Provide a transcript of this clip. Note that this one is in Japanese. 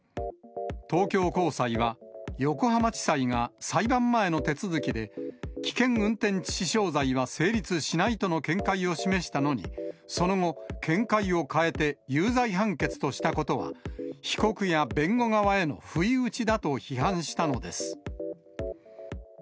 東京高裁は、横浜地裁が裁判前の手続きで、危険運転致死傷罪は成立しないとの見解を示したのに、その後、見解を変えて有罪判決としたことは、被告や弁護側への不意打ちだと批判したのです。